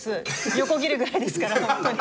横切るぐらいですからホントに。